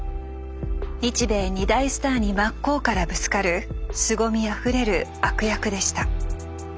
日米２大スターに真っ向からぶつかるすごみあふれる悪役でした。